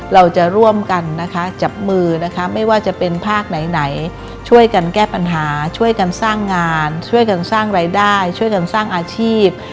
เราจะร่วมกันนะคะจับมือนะคะไม่ว่าจะเป็นภาคไหนช่วยกันแก้ปัญหาช่วยกันสร้างงานช่วยกันสร้างรายได้ช่วยกันสร้างอาชีพ